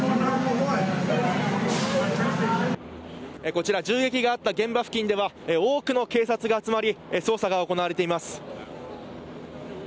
こちら銃撃があった現場付近では多くの警察が集まり捜査が行われています。